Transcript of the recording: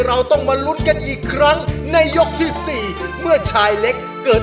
เราต้องมาลุ้นกันอีกครั้งในยกที่สี่เมื่อชายเล็กเกิด